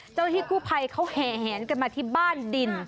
เจ้าหิกู้ภัยเขาแหงกันมาที่บ้านดิน